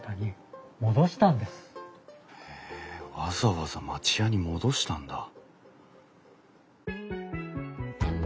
わざわざ町家に戻したんだ。